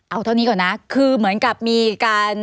เอาเท่านี้ก่อนนะคือเหมือนกับมีการ